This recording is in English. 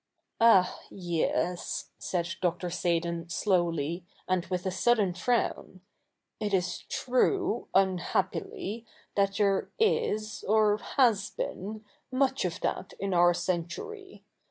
" x\h, yes,' said Dr. Seydon slowly, and with a sudden frown, ' it is true, unhappily, that there is, or has been, much of that in our century.